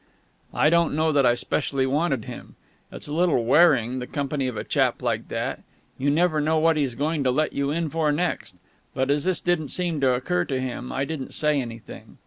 I don't know that I specially wanted him. It's a little wearing, the company of a chap like that. You never know what he's going to let you in for next. But, as this didn't seem to occur to him, I didn't say anything.